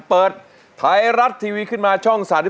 เปิดไทยรัฐทีวีขึ้นมาช่อง๓๒